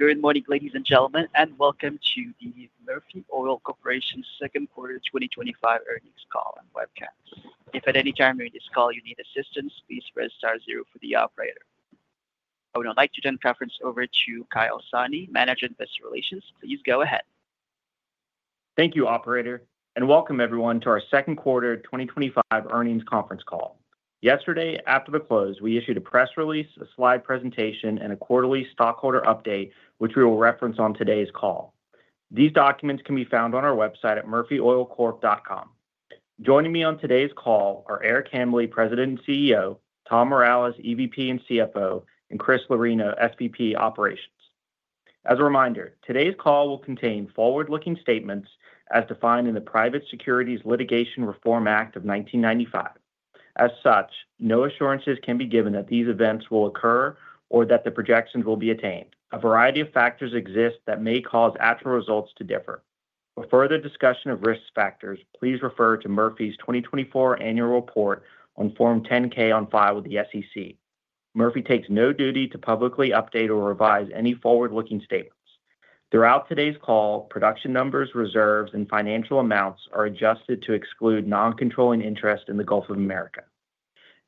Good morning, ladies and gentlemen, and welcome to the Murphy Oil Corporation Second Quarter 2025 Earnings Call and Wecast. If at any time during this call you need assistance, please press star zero for the operator. I would now like to turn the conference over to Kyle Sahni, Manager Investor Relations. Please go ahead. Thank you, operator, and welcome everyone to our second quarter 2025 earnings conference call. Yesterday, after the close, we issued a press release, a slide presentation, and a quarterly stockholder update, which we will reference on today's call. These documents can be found on our website at murphyoilcorp.com. Joining me on today's call are Eric Hambly, President and CEO; Tom Mireles, EVP and CFO; and Chris Lorino, SVP Operations. As a reminder, today's call will contain forward-looking statements as defined in the Private Securities Litigation Reform Act of 1995. As such, no assurances can be given that these events will occur or that the projections will be attained. A variety of factors exist that may cause actual results to differ. For further discussion of risk factors, please refer to Murphy's 2024 Annual Report on Form 10-K on file with the SEC. Murphy takes no duty to publicly update or revise any forward-looking statements. Throughout today's call, production numbers, reserves, and financial amounts are adjusted to exclude non-controlling interest in the Gulf of America.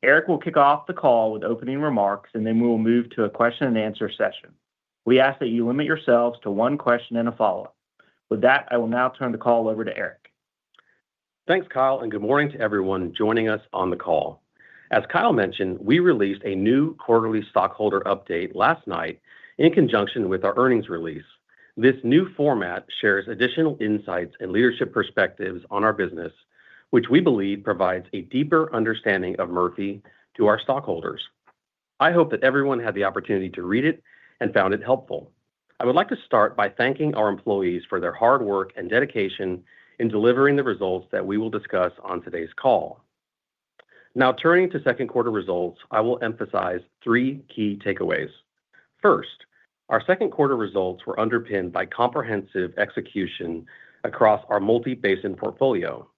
Eric will kick off the call with opening remarks, and then we will move to a question and answer session. We ask that you limit yourselves to one question and a follow-up. With that, I will now turn the call over to Eric. Thanks, Kyle, and good morning to everyone joining us on the call. As Kyle mentioned, we released a new quarterly stockholder update last night in conjunction with our earnings release. This new format shares additional insights and leadership perspectives on our business, which we believe provides a deeper understanding of Murphy to our stockholders. I hope that everyone had the opportunity to read it and found it helpful. I would like to start by thanking our employees for their hard work and dedication in delivering the results that we will discuss on today's call. Now, turning to second quarter results, I will emphasize three key takeaways. First, our second quarter results were underpinned by comprehensive execution across our multi-basin portfolio.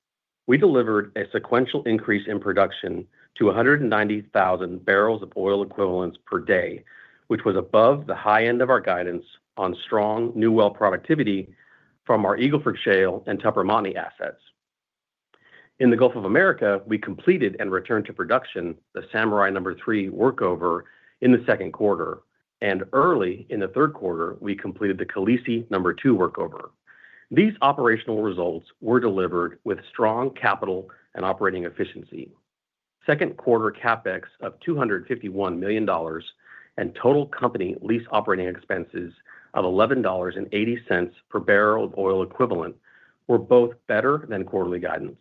We delivered a sequential increase in production to 190,000 barrels of oil equivalent per day, which was above the high end of our guidance on strong new well productivity from our Eagle Ford Shale and Tupper Montney assets. In the Gulf of America, we completed and returned to production the Samurai No. 3 workover in the second quarter, and early in the third quarter, we completed the Khaleesi No. 2 workover. These operational results were delivered with strong capital and operating efficiency. Second quarter CapEx up $251 million and total company lease operating expenses of $11.80 per barrel of oil equivalent were both better than quarterly guidance.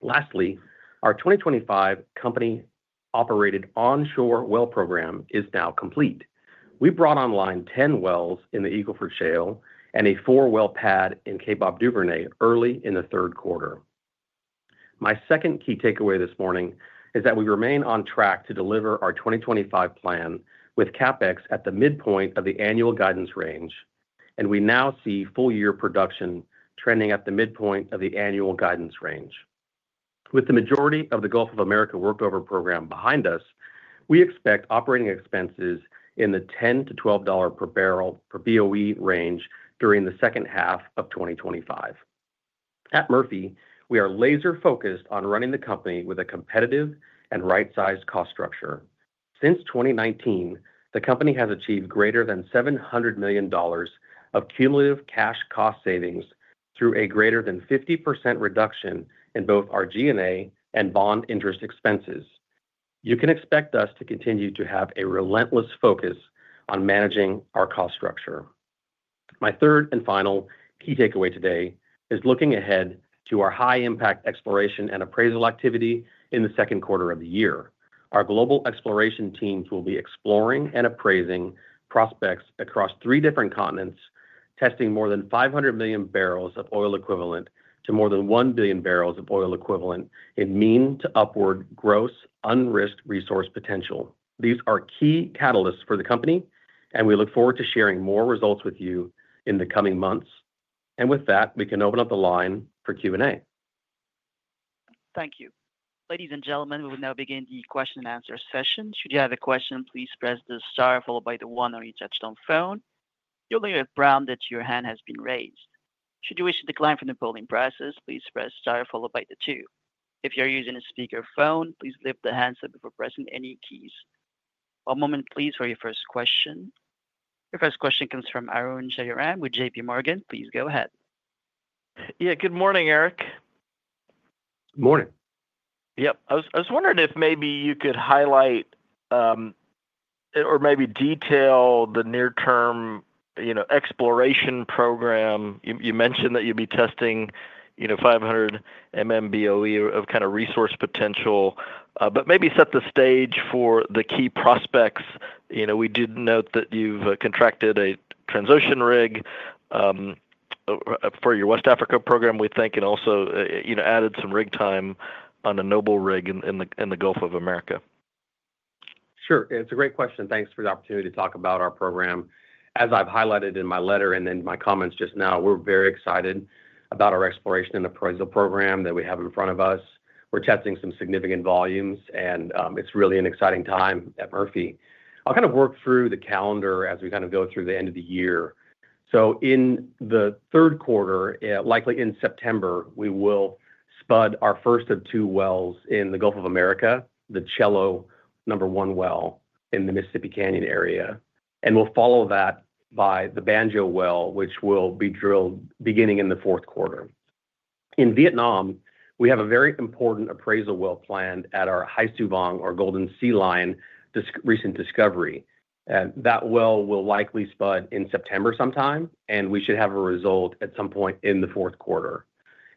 Lastly, our 2025 company-operated onshore well program is now complete. We brought online 10 wells in the Eagle Ford Shale and a four-well pad in Kaybob Duvernay early in the third quarter. My second key takeaway this morning is that we remain on track to deliver our 2025 plan with CapEx at the midpoint of the annual guidance range, and we now see full-year production trending at the midpoint of the annual guidance range. With the majority of the Gulf of America workover program behind us, we expect operating expenses in the $10 to $12 per BOE range during the second half of 2025. At Murphy, we are laser-focused on running the company with a competitive and right-sized cost structure. Since 2019, the company has achieved greater than $700 million of cumulative cash cost savings through a greater than 50% reduction in both our G&A and bond interest expenses. You can expect us to continue to have a relentless focus on managing our cost structure. My third and final key takeaway today is looking ahead to our high-impact exploration and appraisal activity in the second quarter of the year. Our global exploration teams will be exploring and appraising prospects across three different continents, testing more than 500 million barrels of oil equivalent to more than 1 billion barrels of oil equivalent in mean to upward gross unrisked resource potential. These are key catalysts for the company, and we look forward to sharing more results with you in the coming months. With that, we can open up the line for Q&A. Thank you. Ladies and gentlemen, we will now begin the question and answer session. Should you have a question, please press the star followed by the one on your touch-tone phone. Your line will indicate that your hand has been raised. Should you wish to decline from the polling process, please press star followed by the two. If you're using a speaker phone, please lift the handset before pressing any keys. One moment, please, for your first question. Your first question comes from Arun Jayaram with JPMorgan. Please go ahead. Yeah, good morning, Eric. Morning! Yep. I was wondering if maybe you could highlight or maybe detail the near-term, you know, exploration program. You mentioned that you'd be testing, you know, 500 BOE of kind of resource potential, but maybe set the stage for the key prospects. You know, we did note that you've contracted a Transocean rig for your West Africa program, we think, and also, you know, added some rig time on a Noble rig in the Gulf of America. Sure. It's a great question. Thanks for the opportunity to talk about our program. As I've highlighted in my letter and in my comments just now, we're very excited about our exploration and appraisal program that we have in front of us. We're testing some significant volumes, and it's really an exciting time at Murphy. I'll kind of work through the calendar as we go through the end of the year. In the third quarter, likely in September, we will spud our first of two wells in the Gulf of America, the Cello No. 1 well in the Mississippi Canyon area, and we'll follow that by the Banjo well, which will be drilled beginning in the fourth quarter. In Vietnam, we have a very important appraisal well planned at our Hai Su Vang, our Golden Sea Lion, recent discovery. That well will likely spud in September sometime, and we should have a result at some point in the fourth quarter.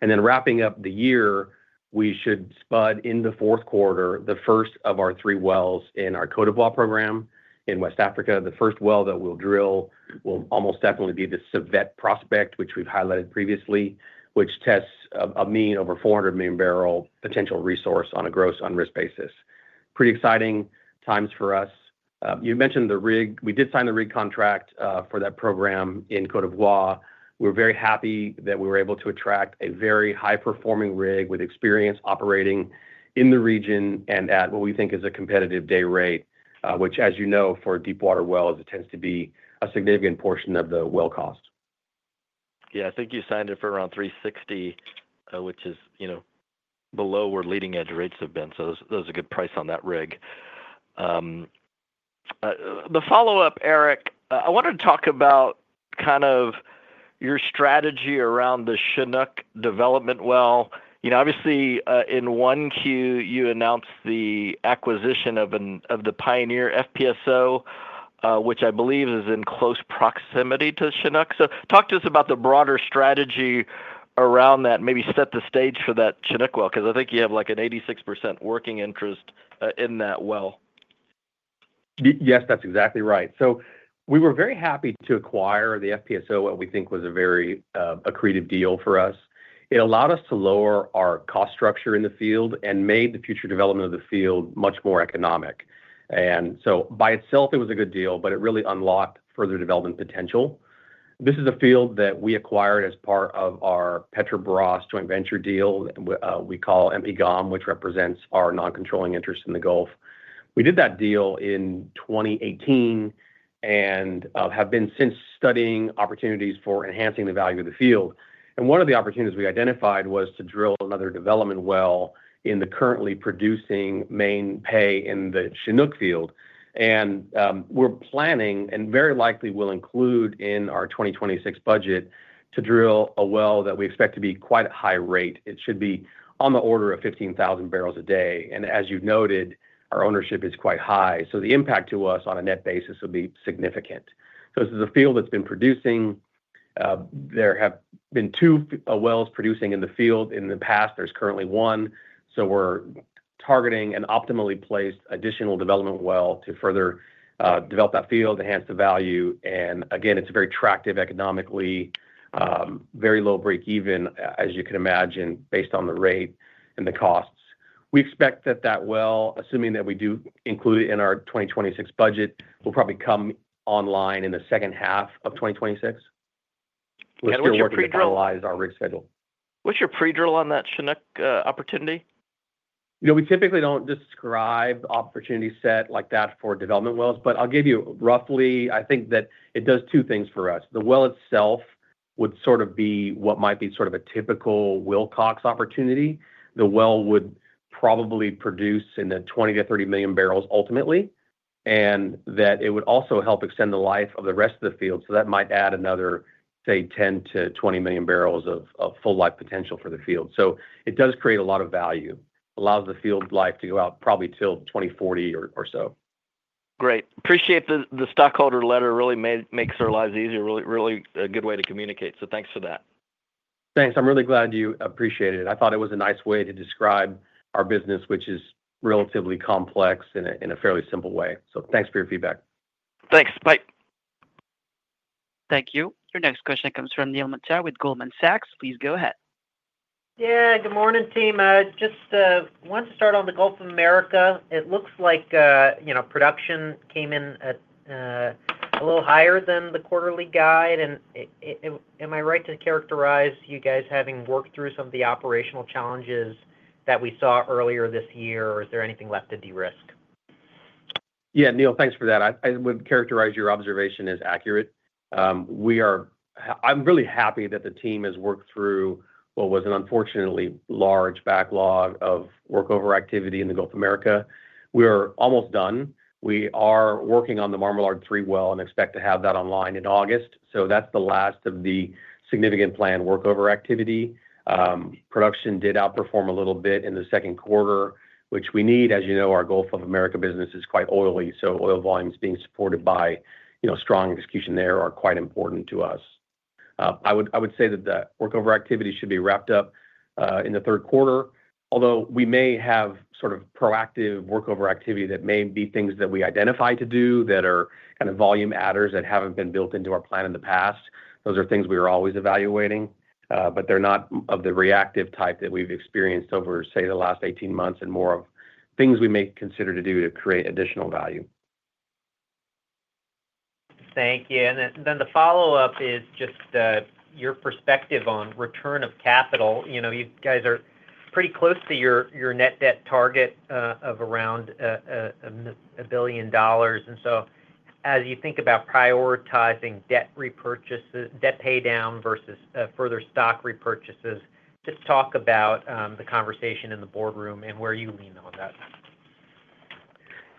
Wrapping up the year, we should spud in the fourth quarter the first of our three wells in our Côte d'Ivoire program in West Africa. The first well that we'll drill will almost definitely be the Civette prospect, which we've highlighted previously, which tests a mean over 400 million barrel potential resource on a gross unrisked basis. Pretty exciting times for us. You mentioned the rig. We did sign the rig contract for that program in Côte d'Ivoire. We're very happy that we were able to attract a very high-performing rig with experience operating in the region and at what we think is a competitive day rate, which, as you know, for deep water wells, it tends to be a significant portion of the well cost. Yeah, I think you signed it for around $360 million, which is, you know, below where leading-edge rates have been. That was a good price on that rig. The follow-up, Eric, I wanted to talk about kind of your strategy around the Chinook development well. Obviously, in 1Q, you announced the acquisition of the Pioneer FPSO, which I believe is in close proximity to Chinook. Talk to us about the broader strategy around that, maybe set the stage for that Chinook well, because I think you have like an 86% working interest in that well. Yes, that's exactly right. We were very happy to acquire the FPSO, what we think was a very creative deal for us. It allowed us to lower our cost structure in the field and made the future development of the field much more economic. By itself, it was a good deal, but it really unlocked further development potential. This is a field that we acquired as part of our Petrobras joint venture deal that we call MPGOM, which represents our non-controlling interest in the Gulf. We did that deal in 2018 and have been since studying opportunities for enhancing the value of the field. One of the opportunities we identified was to drill another development well in the currently producing main pay in the Chinook field. We're planning and very likely will include in our 2026 budget to drill a well that we expect to be quite a high rate. It should be on the order of 15,000 barrels a day. As you've noted, our ownership is quite high, so the impact to us on a net basis will be significant. This is a field that's been producing. There have been two wells producing in the field in the past. There's currently one. We're targeting an optimally placed additional development well to further develop that field and enhance the value. It is very attractive economically, very low break even, as you can imagine, based on the rate and the costs. We expect that well, assuming that we do include it in our 2026 budget, will probably come online in the second half of 2026. We're working to finalize our rig schedule. What's your pre-drill on that Chinook opportunity? You know, we typically don't describe the opportunity set like that for development wells, but I'll give you roughly, I think that it does two things for us. The well itself would sort of be what might be sort of a typical Wilcox opportunity. The well would probably produce in the 20 million-30 million barrels ultimately, and that it would also help extend the life of the rest of the field. That might add another, say, 10 million-20 million barrels of full-life potential for the field. It does create a lot of value, allows the field life to go out probably till 2040 or so. Great. Appreciate the stockholder letter, really makes our lives easier. Really, really a good way to communicate. Thanks for that. Thanks. I'm really glad you appreciated it. I thought it was a nice way to describe our business, which is relatively complex in a fairly simple way. Thanks for your feedback. Thanks. Bye. Thank you. Your next question comes from Neil Mehta with Goldman Sachs. Please go ahead. Yeah, good morning, team. I just wanted to start on the Gulf of America. It looks like, you know, production came in at a little higher than the quarterly guide. Am I right to characterize you guys having worked through some of the operational challenges that we saw earlier this year, or is there anything left to de-risk? Yeah, Neil, thanks for that. I would characterize your observation as accurate. We are, I'm really happy that the team has worked through what was an unfortunately large backlog of workover activity in the Gulf of America. We are almost done. We are working on the Marmalard III well and expect to have that online in August. That's the last of the significant planned workover activity. Production did outperform a little bit in the second quarter, which we need. As you know, our Gulf of America business is quite oily, so oil volumes being supported by, you know, strong execution there are quite important to us. I would say that the workover activity should be wrapped up in the third quarter, although we may have sort of proactive workover activity that may be things that we identify to do that are kind of volume adders that haven't been built into our plan in the past. Those are things we are always evaluating, but they're not of the reactive type that we've experienced over, say, the last 18 months and more of things we may consider to do to create additional value. Thank you. The follow-up is just your perspective on return of capital. You know, you guys are pretty close to your net debt target of around $1 billion. As you think about prioritizing debt pay down versus further stock repurchases, just talk about the conversation in the boardroom and where you lean on that.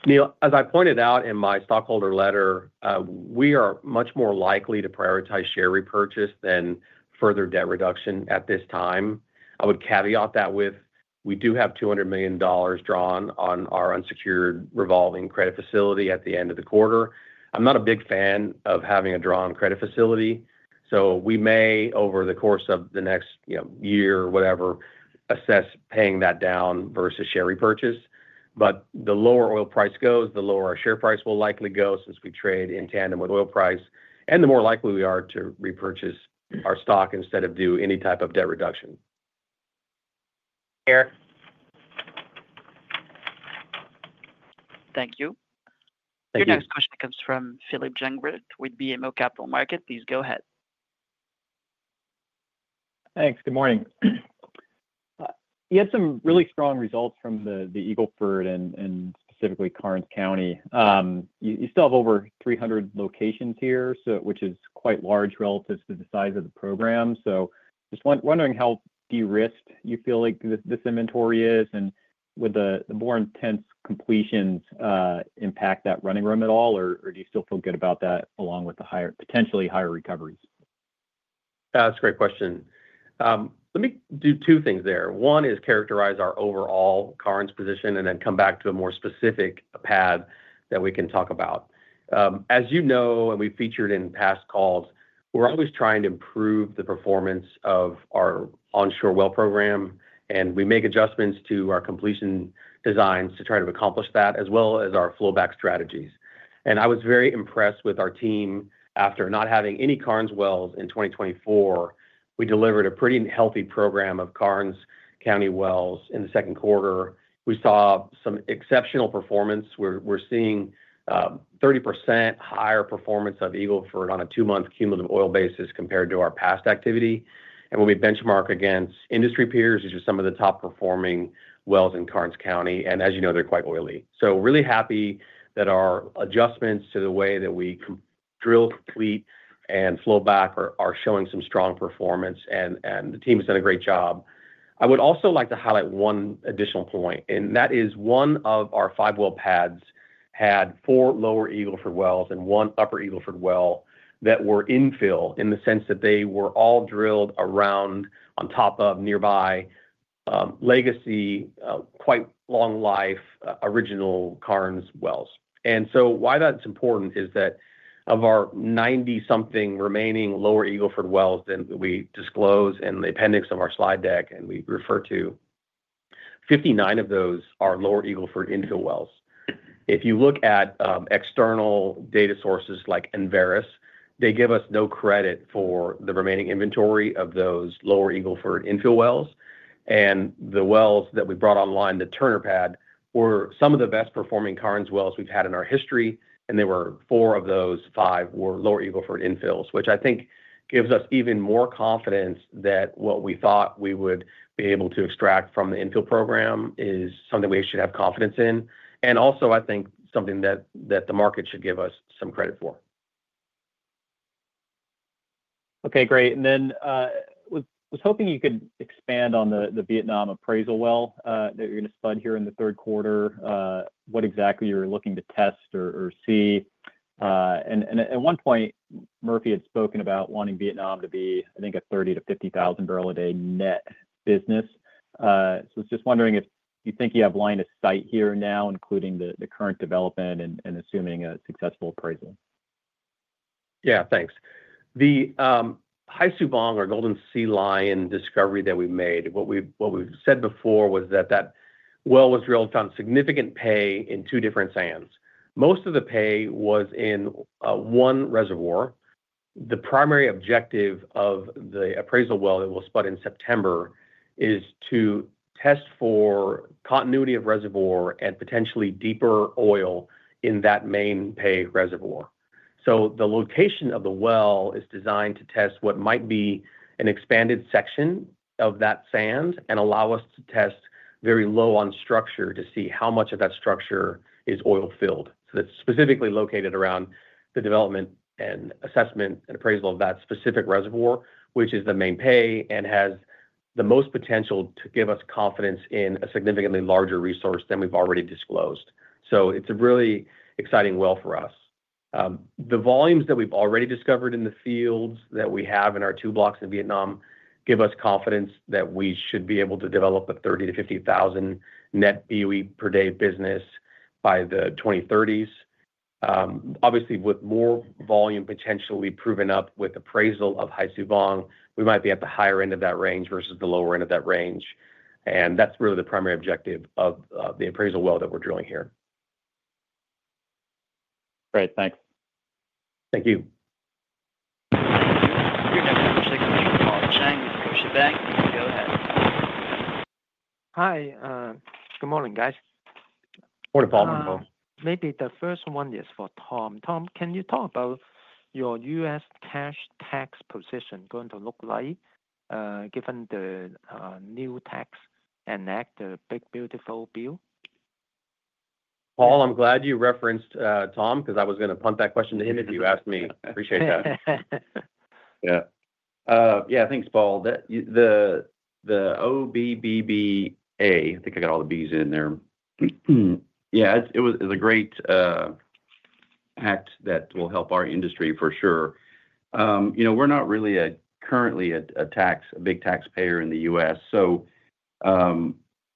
Neil, as I pointed out in my stockholder letter, we are much more likely to prioritize share repurchase than further debt reduction at this time. I would caveat that with we do have $200 million drawn on our unsecured revolving credit facility at the end of the quarter. I'm not a big fan of having a drawn credit facility. We may, over the course of the next year, whatever, assess paying that down versus share repurchase. The lower oil price goes, the lower our share price will likely go since we trade in tandem with oil price, and the more likely we are to repurchase our stock instead of do any type of debt reduction. Thank you. Your next question comes from Phillip Jungwirth with BMO Capital Markets. Please go ahead. Thanks. Good morning. You had some really strong results from the Eagle Ford and specifically Karnes County. You still have over 300 locations here, which is quite large relative to the size of the program. Just wondering how de-risked you feel like this inventory is, and would the more intense completions impact that running room at all, or do you still feel good about that along with the potentially higher recoveries? That's a great question. Let me do two things there. One is characterize our overall Karnes position and then come back to a more specific pad that we can talk about. As you know, and we've featured in past calls, we're always trying to improve the performance of our onshore well program, and we make adjustments to our completion designs to try to accomplish that, as well as our flowback strategies. I was very impressed with our team after not having any Karnes wells in 2024. We delivered a pretty healthy program of Karnes County wells in the second quarter. We saw some exceptional performance. We're seeing 30% higher performance of Eagle Ford on a two-month cumulative oil basis compared to our past activity. When we benchmark against industry peers, these are some of the top performing wells in Karnes County, and as you know, they're quite oily. I am really happy that our adjustments to the way that we drill, complete, and flow back are showing some strong performance, and the team has done a great job. I would also like to highlight one additional point, and that is one of our five well pads had four lower Eagle Ford wells and one upper Eagle Ford well that were infill in the sense that they were all drilled around, on top of, nearby legacy, quite long-life original Karnes wells. Why that's important is that of our 90-something remaining lower Eagle Ford wells that we disclose in the appendix of our slide deck, and we refer to, 59 of those are lower Eagle Ford infill wells. If you look at external data sources like Enverus, they give us no credit for the remaining inventory of those lower Eagle Ford infill wells. The wells that we brought online, the Turner pad, were some of the best performing Karnes wells we've had in our history, and there were four of those five were lower Eagle Ford infills, which I think gives us even more confidence that what we thought we would be able to extract from the infill program is something we should have confidence in. I think something that the market should give us some credit for. Okay, great. I was hoping you could expand on the Vietnam appraisal well that you're going to spud here in the third quarter, what exactly you're looking to test or see. At one point, Murphy had spoken about wanting Vietnam to be, I think, a 30,000-50,000 barrel a day net business. I was just wondering if you think you have line of sight here now, including the current development and assuming a successful appraisal. Yeah, thanks. The Hai Su Vang or Golden Sea Lion discovery that we made, what we said before was that that well was drilled on significant pay in two different sands. Most of the pay was in one reservoir. The primary objective of the appraisal well that will spud in September is to test for continuity of reservoir and potentially deeper oil in that main pay reservoir. The location of the well is designed to test what might be an expanded section of that sand and allow us to test very low on structure to see how much of that structure is oil-filled. That is specifically located around the development and assessment and appraisal of that specific reservoir, which is the main pay and has the most potential to give us confidence in a significantly larger resource than we've already disclosed. It is a really exciting well for us. The volumes that we've already discovered in the fields that we have in our two blocks in Vietnam give us confidence that we should be able to develop a 30,000-50,000 net BOE per day business by the 2030s. Obviously, with more volume potentially proven up with appraisal of Hai Su Vang, we might be at the higher end of that range versus the lower end of that range. That is really the primary objective of the appraisal well that we're drilling here. Great, thanks. Thank you. Chen with Scotiabank. Go ahead. Hi. Good morning, guys. Morning, Paul. Maybe the first one is for Tom. Tom, can you talk about your U.S. cash tax position going to look like given the new tax enacted, Big Beautiful Bill? Paul, I'm glad you referenced Tom because I was going to punt that question to him if you asked me. Appreciate that. Yeah, thanks, Paul. The OBBBA, I think I got all the Bs in there. Yeah, it was a great act that will help our industry for sure. You know, we're not really currently a big taxpayer in the U.S., so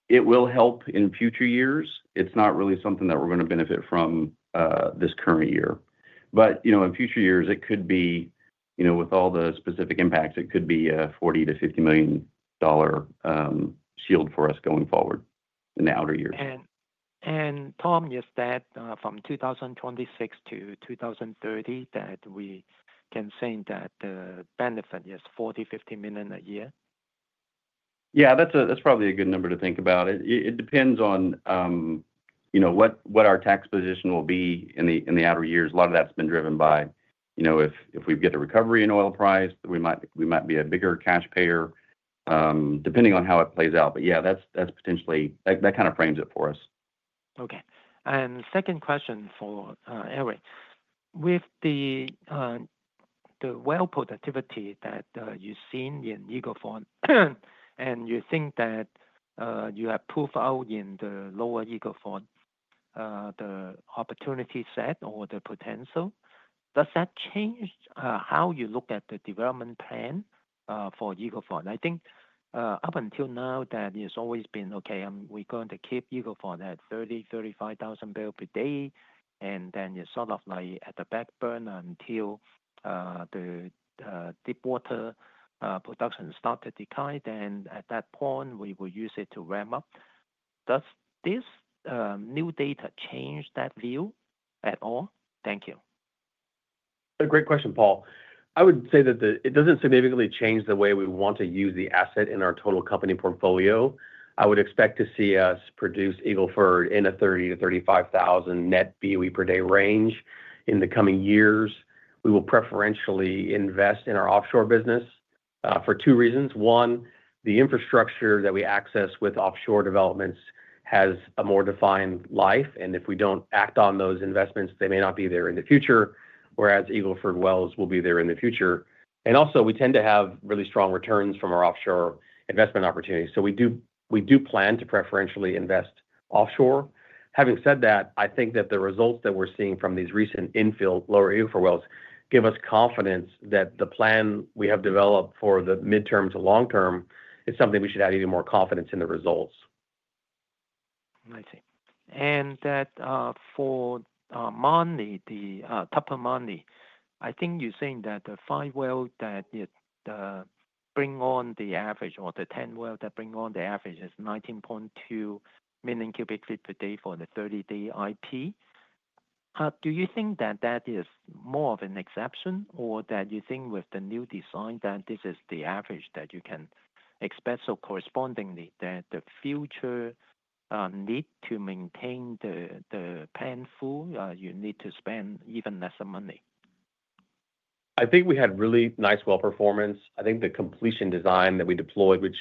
it will help in future years. It's not really something that we're going to benefit from this current year. You know, in future years, it could be, with all the specific impacts, it could be a $40 million-$50 million shield for us going forward in the outer years. Tom, is that from 2026 to 2030 that we can say that the benefit is $40 million, $50 million a year? Yeah, that's probably a good number to think about. It depends on what our tax position will be in the outer years. A lot of that's been driven by if we get a recovery in oil price, we might be a bigger cash payer depending on how it plays out. Yeah, that potentially frames it for us. Okay. Second question for Eric. With the well productivity that you've seen in Eagle Ford, and you think that you have proof out in the lower Eagle Ford, the opportunity set or the potential, does that change how you look at the development plan for Eagle Ford? I think up until now, that has always been, okay, we're going to keep Eagle Ford at 30,000-35,000 barrels per day, and then it's sort of like at the backburner until the deep water production starts to decline. At that point, we will use it to ramp up. Does this new data change that view at all? Thank you. Great question, Paul. I would say that it doesn't significantly change the way we want to use the asset in our total company portfolio. I would expect to see us produce Eagle Ford in a 30,000-35,000 net BOE per day range in the coming years. We will preferentially invest in our offshore business for two reasons. One, the infrastructure that we access with offshore developments has a more defined life, and if we don't act on those investments, they may not be there in the future, whereas Eagle Ford wells will be there in the future. Also, we tend to have really strong returns from our offshore investment opportunities. We do plan to preferentially invest offshore. Having said that, I think that the results that we're seeing from these recent infill lower Eagle Ford wells give us confidence that the plan we have developed for the midterm to long term is something we should have even more confidence in the results. I see. For the Tupper Montney, I think you're saying that the five wells that bring on the average or the 10 wells that bring on the average is 19.2 million cu ft/day for the 30-day IP. Do you think that that is more of an exception or that you think with the new design that this is the average that you can expect? Correspondingly, the future need to maintain the plan full, you need to spend even less money. I think we had really nice well performance. I think the completion design that we deployed, which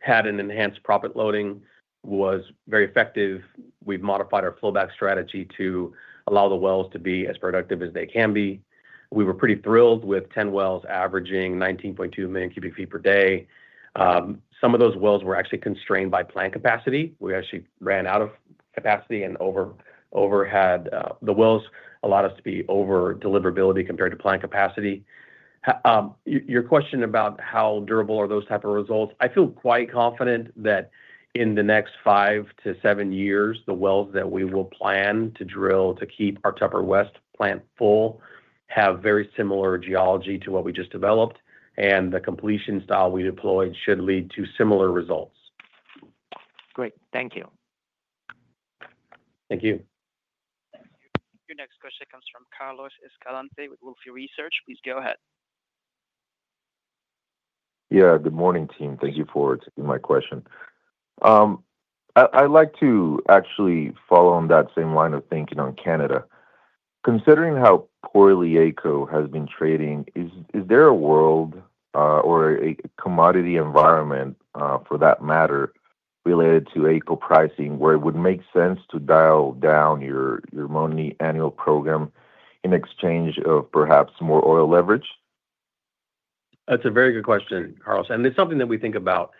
had an enhanced proppant loading, was very effective. We've modified our flowback strategy to allow the wells to be as productive as they can be. We were pretty thrilled with 10 wells averaging 19.2 million cu ft/day. Some of those wells were actually constrained by plant capacity. We actually ran out of capacity and had the wells over deliverability compared to plant capacity. Your question about how durable are those types of results, I feel quite confident that in the next five to seven years, the wells that we will plan to drill to keep our Tupper West plant full have very similar geology to what we just developed, and the completion style we deployed should lead to similar results. Great. Thank you. Thank you. Your next question comes from Carlos Escalante with Wolfe Research. Please go ahead. Yeah, good morning, team. Thank you for taking my question. I'd like to actually follow on that same line of thinking on Canada. Considering how poorly AECO has been trading, is there a world or a commodity environment, for that matter, related to AECO pricing where it would make sense to dial down your Montney annual program in exchange of perhaps more oil leverage? That's a very good question, Carlos. It's something that we think about.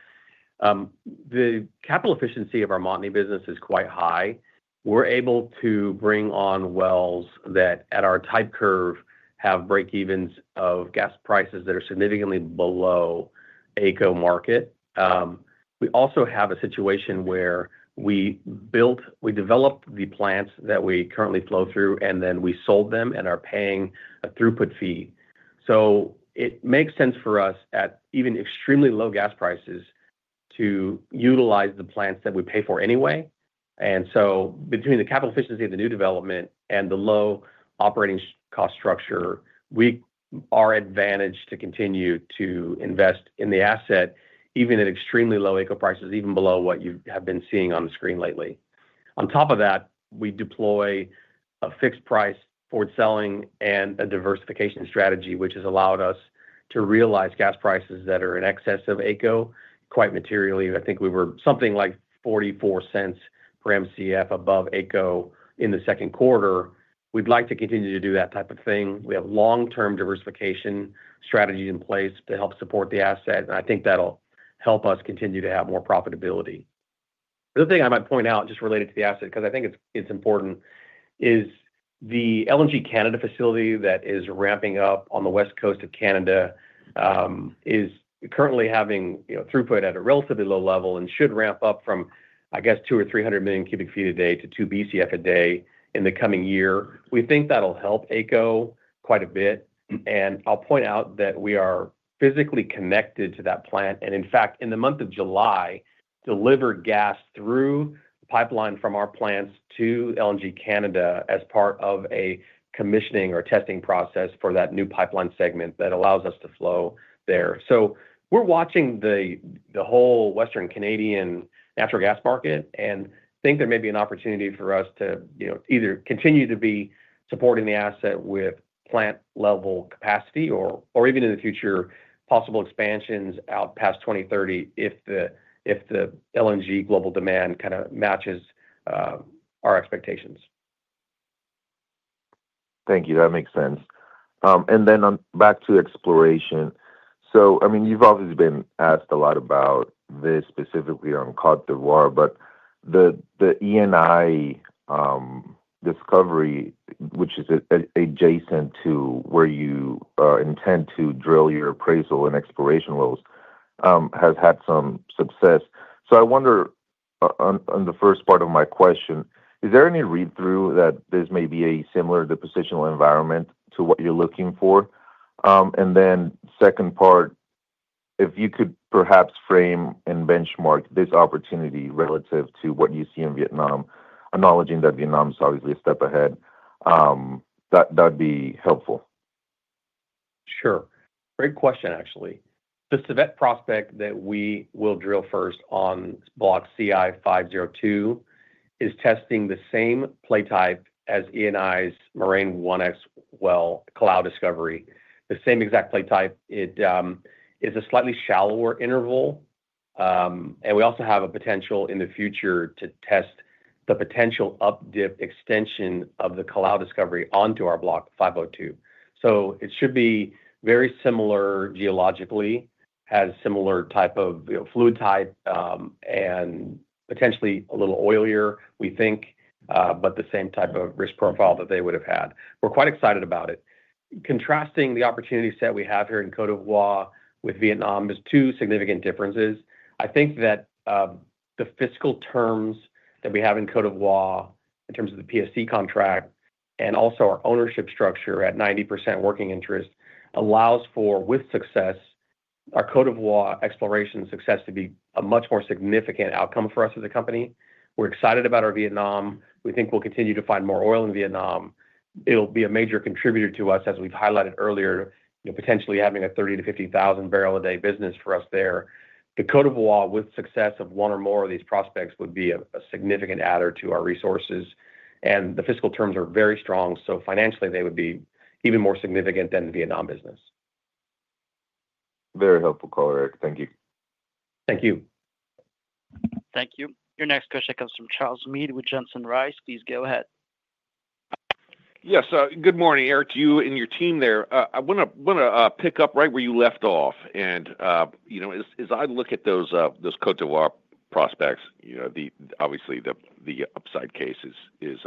The capital efficiency of our Montney business is quite high. We're able to bring on wells that at our type curve have break-evens of gas prices that are significantly below AECO market. We also have a situation where we built, we developed the plants that we currently flow through, and then we sold them and are paying a throughput fee. It makes sense for us at even extremely low gas prices to utilize the plants that we pay for anyway. Between the capital efficiency of the new development and the low operating cost structure, we are advantaged to continue to invest in the asset, even at extremely low AECO prices, even below what you have been seeing on the screen lately. On top of that, we deploy a fixed price forward selling and a diversification strategy, which has allowed us to realize gas prices that are in excess of AECO quite materially. I think we were something like $0.44 per MCF above AECO in the second quarter. We'd like to continue to do that type of thing. We have long-term diversification strategies in place to help support the asset, and I think that'll help us continue to have more profitability. The other thing I might point out just related to the asset, because I think it's important, is the LNG Canada facility that is ramping up on the west coast of Canada is currently having throughput at a relatively low level and should ramp up from, I guess, 200 million cu ft or 300 million cu ft a day to 2 BCF a day in the coming year. We think that'll help AECO quite a bit. I'll point out that we are physically connected to that plant and, in fact, in the month of July, delivered gas through the pipeline from our plants to LNG Canada as part of a commissioning or testing process for that new pipeline segment that allows us to flow there. We're watching the whole Western Canadian natural gas market and think there may be an opportunity for us to either continue to be supporting the asset with plant-level capacity or even in the future, possible expansions out past 2030 if the LNG global demand kind of matches our expectations. Thank you. That makes sense. Back to exploration, you've obviously been asked a lot about this specifically on Côte d'Ivoire, but the ENI discovery, which is adjacent to where you intend to drill your appraisal and exploration wells, has had some success. I wonder, on the first part of my question, is there any read-through that this may be a similar depositional environment to what you're looking for? The second part, if you could perhaps frame and benchmark this opportunity relative to what you see in Vietnam, acknowledging that Vietnam's obviously a step ahead, that'd be helpful. Sure. Great question, actually. The Civette prospect that we will drill first on block CI 502 is testing the same play type as ENI's Marine 1X well cloud discovery, the same exact play type. It is a slightly shallower interval, and we also have a potential in the future to test the potential up dip extension of the cloud discovery onto our block 502. It should be very similar geologically, has a similar type of fluid type and potentially a little oilier, we think, but the same type of risk profile that they would have had. We're quite excited about it. Contrasting the opportunity set we have here in Côte d'Ivoire with Vietnam, there are two significant differences. I think that the fiscal terms that we have in Côte d'Ivoire in terms of the PSC contract and also our ownership structure at 90% working interest allows for, with success, our Côte d'Ivoire exploration success to be a much more significant outcome for us as a company. We're excited about our Vietnam. We think we'll continue to find more oil in Vietnam. It'll be a major contributor to us, as we've highlighted earlier, potentially having a 30,000-50,000 barrel a day business for us there. The Côte d'Ivoire, with success of one or more of these prospects, would be a significant adder to our resources, and the fiscal terms are very strong. Financially, they would be even more significant than the Vietnam business. Very helpful color, Eric. Thank you. Thank you. Thank you. Your next question comes from Charles Meade with Johnson Rice. Please go ahead. Good morning, Eric, to you and your team there. I want to pick up right where you left off. As I look at those Côte d'Ivoire prospects, obviously the upside case is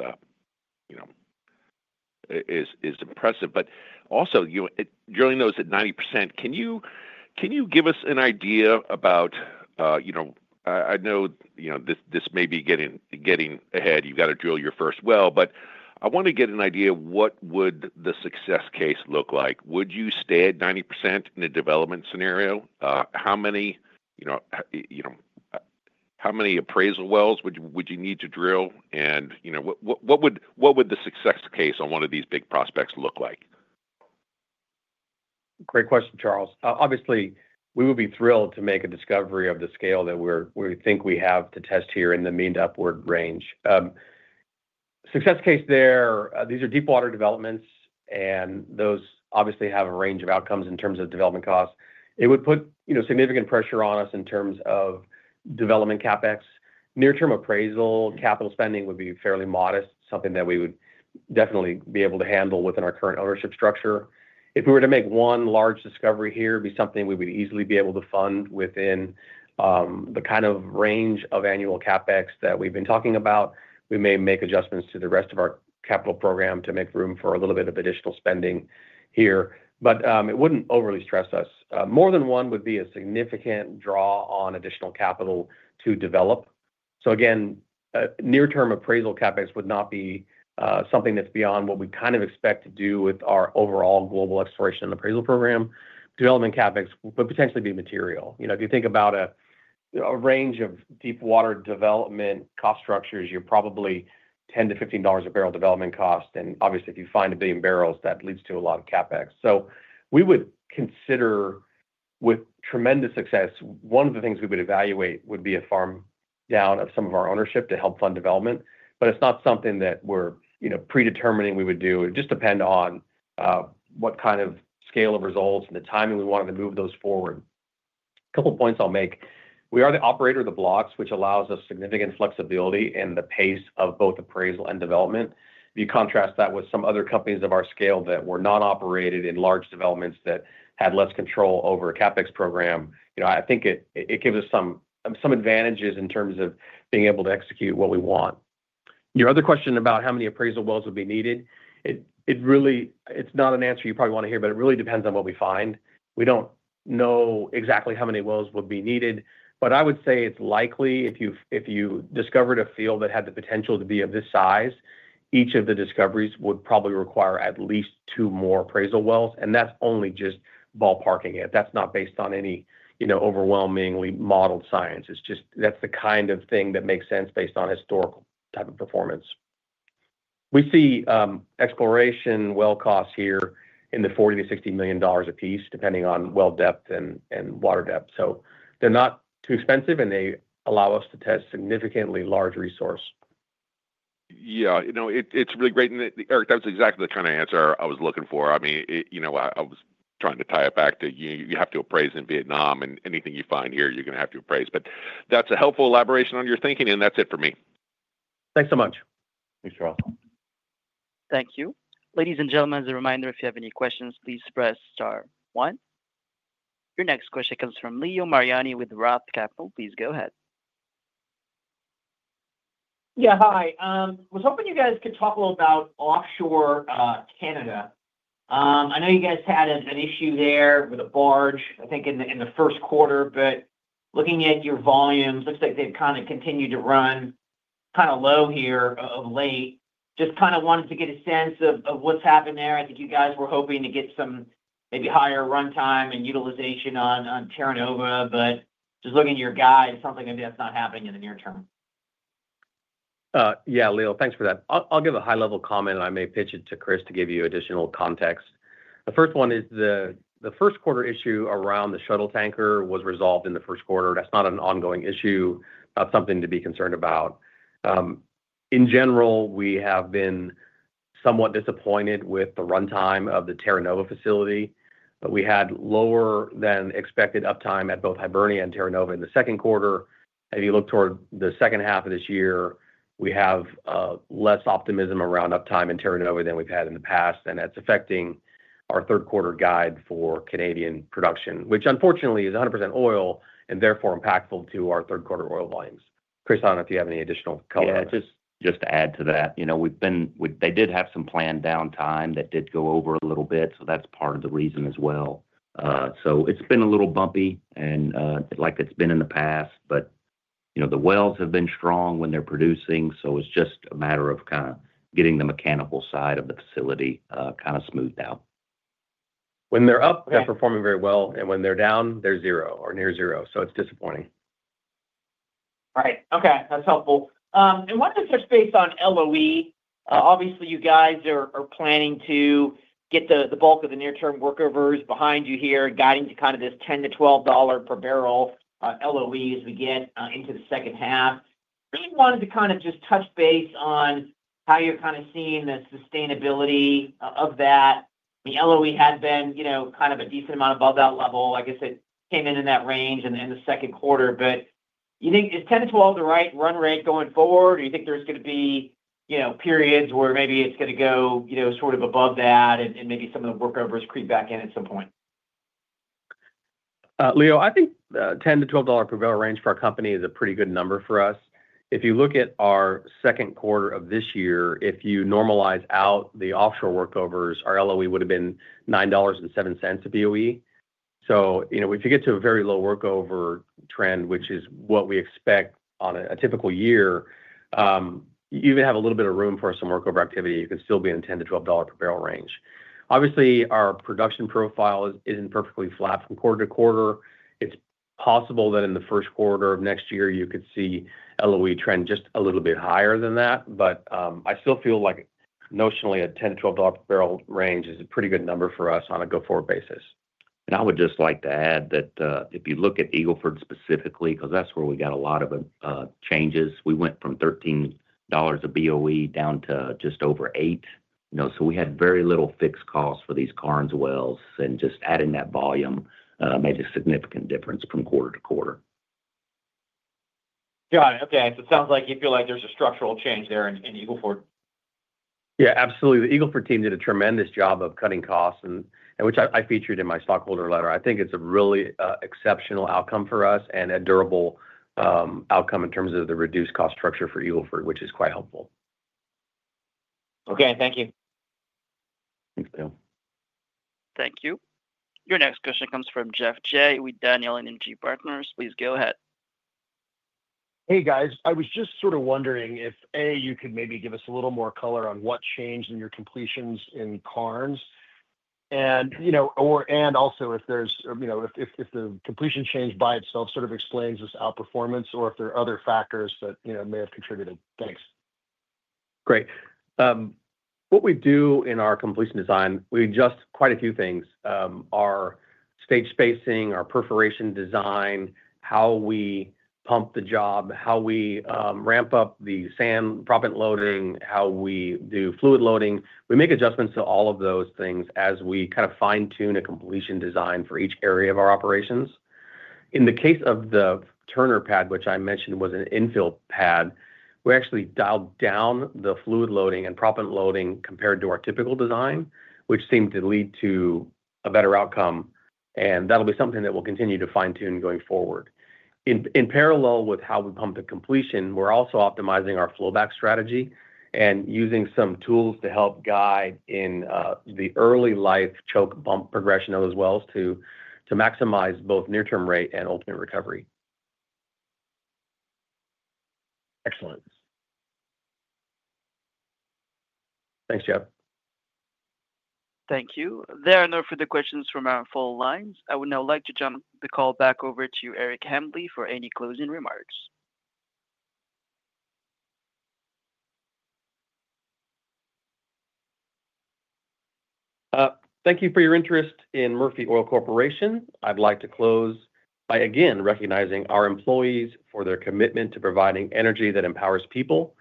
impressive. Also, drilling those at 90%, can you give us an idea about, I know this may be getting ahead, you've got to drill your first well, but I want to get an idea of what would the success case look like. Would you stay at 90% in a development scenario? How many appraisal wells would you need to drill? What would the success case on one of these big prospects look like? Great question, Charles. Obviously, we would be thrilled to make a discovery of the scale that we think we have to test here in the mean to upward range. Success case there, these are deep water developments, and those obviously have a range of outcomes in terms of development costs. It would put, you know, significant pressure on us in terms of development CapEx. Near-term appraisal capital spending would be fairly modest, something that we would definitely be able to handle within our current ownership structure. If we were to make one large discovery here, it'd be something we would easily be able to fund within the kind of range of annual CapEx that we've been talking about. We may make adjustments to the rest of our capital program to make room for a little bit of additional spending here, but it wouldn't overly stress us. More than one would be a significant draw on additional capital to develop. Again, near-term appraisal CapEx would not be something that's beyond what we kind of expect to do with our overall global exploration and appraisal program. Development CapEx would potentially be material. You know, if you think about a range of deep water development cost structures, you're probably $10-$15 a barrel development cost. Obviously, if you find a billion barrels, that leads to a lot of CapEx. We would consider, with tremendous success, one of the things we would evaluate would be a farm down of some of our ownership to help fund development. It's not something that we're predetermining we would do. It would just depend on what kind of scale of results and the timing we wanted to move those forward. A couple of points I'll make. We are the operator of the blocks, which allows us significant flexibility in the pace of both appraisal and development. If you contrast that with some other companies of our scale that were non-operated in large developments that had less control over a CAPEX program, I think it gives us some advantages in terms of being able to execute what we want. Your other question about how many appraisal wells would be needed, it really, it's not an answer you probably want to hear, but it really depends on what we find. We don't know exactly how many wells would be needed, but I would say it's likely if you discovered a field that had the potential to be of this size, each of the discoveries would probably require at least two more appraisal wells. That's only just ballparking it. That's not based on any, you know, overwhelmingly modeled science. It's just that's the kind of thing that makes sense based on historical type of performance. We see exploration well costs here in the $40 million-$60 million apiece, depending on well depth and water depth. They're not too expensive, and they allow us to test significantly large resources. Yeah, you know, it's really great. Eric, that was exactly the kind of answer I was looking for. I was trying to tie it back to you have to appraise in Vietnam, and anything you find here, you're going to have to appraise. That's a helpful elaboration on your thinking, and that's it for me. Thanks so much. Thanks, Charles. Thank you. Ladies and gentlemen, as a reminder, if you have any questions, please press star one. Your next question comes from Leo Mariani with ROTH Capital. Please go ahead. Yeah, hi. I was hoping you guys could talk a little about offshore Canada. I know you guys had an issue there with a barge, I think, in the first quarter, but looking at your volumes, it looks like they've kind of continued to run kind of low here of late. Just wanted to get a sense of what's happened there. I think you guys were hoping to get some maybe higher runtime and utilization on Terra Nova, but just looking at your guide, it's something maybe that's not happening in the near term. Yeah, Leo, thanks for that. I'll give a high-level comment, and I may pitch it to Chris to give you additional context. The first one is the first quarter issue around the shuttle tanker was resolved in the first quarter. That's not an ongoing issue. That's not something to be concerned about. In general, we have been somewhat disappointed with the runtime of the Terra Nova facility. We had lower than expected uptime at both Hibernia and Terra Nova in the second quarter. If you look toward the second half of this year, we have less optimism around uptime in Terra Nova than we've had in the past, and that's affecting our third quarter guide for Canadian production, which unfortunately is 100% oil and therefore impactful to our third quarter oil volumes. Chris, I don't know if you have any additional color on that. Yeah, just to add to that, we've been, they did have some planned downtime that did go over a little bit, that's part of the reason as well. It's been a little bumpy like it's been in the past, but the wells have been strong when they're producing. It's just a matter of kind of getting the mechanical side of the facility kind of smoothed out. When they're up, they're performing very well, and when they're down, they're zero or near zero, so it's disappointing. Right. Okay, that's helpful. I wanted to touch base on LOE. Obviously, you guys are planning to get the bulk of the near-term workovers behind you here, guiding to kind of this $10-$12 per barrel LOE as we get into the second half. We wanted to kind of just touch base on how you're kind of seeing the sustainability of that. The LOE had been, you know, kind of a decent amount above that level. Like I said, came in in that range in the second quarter, but you think is $10-$12 the right run rate going forward, or do you think there's going to be, you know, periods where maybe it's going to go, you know, sort of above that and maybe some of the workovers creep back in at some point? Leo, I think the $10-$12 per barrel range for our company is a pretty good number for us. If you look at our second quarter of this year, if you normalize out the offshore workovers, our LOE would have been $9.07 a BOE. If you get to a very low workover trend, which is what we expect on a typical year, you even have a little bit of room for some workover activity. You could still be in a $10-$12 per barrel range. Obviously, our production profile isn't perfectly flat from quarter to quarter. It's possible that in the first quarter of next year, you could see LOE trend just a little bit higher than that, but I still feel like notionally a $10-$12 per barrel range is a pretty good number for us on a go-forward basis. I would just like to add that if you look at Eagle Ford specifically, because that's where we got a lot of changes, we went from $13 a BOE down to just over $8. You know, we had very little fixed costs for these Karnes wells, and just adding that volume made a significant difference from quarter to quarter. Got it. Okay. It sounds like you feel like there's a structural change there in Eagle Ford. Yeah, absolutely. The Eagle Ford team did a tremendous job of cutting costs, which I featured in my stockholder letter. I think it's a really exceptional outcome for us and a durable outcome in terms of the reduced cost structure for Eagle Ford, which is quite helpful. Okay, thank you. Thanks, Leo. Thank you. Your next question comes from Geoff Jay with Daniel Energy Partners. Please go ahead. Hey, guys. I was just sort of wondering if, A, you could maybe give us a little more color on what changed in your completions in Carnes, and if there's, you know, if the completion change by itself sort of explains this outperformance or if there are other factors that may have contributed. Thanks. Great. What we do in our completion design, we adjust quite a few things: our stage spacing, our perforation design, how we pump the job, how we ramp up the sand proppant loading, how we do fluid loading. We make adjustments to all of those things as we kind of fine-tune a completion design for each area of our operations. In the case of the Turner pad, which I mentioned was an infill pad, we actually dialed down the fluid loading and proppant loading compared to our typical design, which seemed to lead to a better outcome. That'll be something that we'll continue to fine-tune going forward. In parallel with how we pump the completion, we're also optimizing our flowback strategy and using some tools to help guide in the early life choke bump progression of those wells to maximize both near-term rate and ultimate recovery. Excellent. Thanks, Jeff. Thank you. There are no further questions from our full lines. I would now like to turn the call back over to Eric Hambly for any closing remarks. Thank you for your interest in Murphy Oil Corporation. I'd like to close by again recognizing our employees for their commitment to providing energy that empowers people.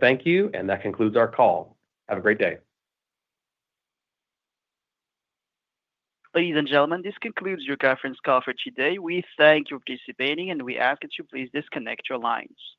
Thank you, and that concludes our call. Have a great day. Ladies and gentlemen, this concludes your conference call for today. We thank you for participating, and we ask that you please disconnect your lines.